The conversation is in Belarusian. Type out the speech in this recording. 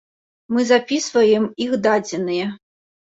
Мы запісваем іх дадзеныя.